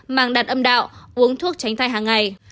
mang đặt âm đạo uống thuốc tránh thai hàng ngày